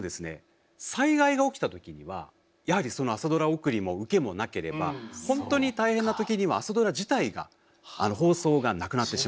災害が起きたときにはやはりその朝ドラ送りも受けもなければ本当に大変なときには朝ドラ自体が放送がなくなってしまう。